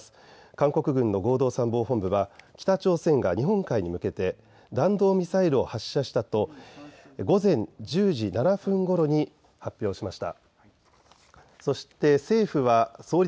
韓国軍の合同参謀本部は北朝鮮が日本海に向けて弾道ミサイルを発射したと午前１０時７分ごろに発表しました。